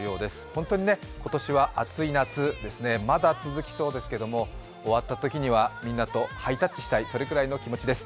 本当に今年は暑い夏ですね、まだ続きそうですけども、終わったときには、みんなとハイタッチしたい、それくらいの気持ちです。